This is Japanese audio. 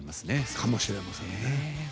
かもしれませんね。